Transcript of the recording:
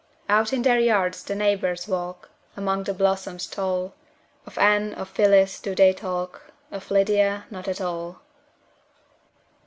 Out in their yards the neighbors walk, Among the blossoms tall; Of Anne, of Phyllis, do they talk, Of Lydia not at all.